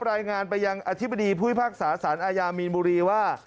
รายงานไปยังอธิบดีผู้พิพากษาสารอาญามีนบุรีว่า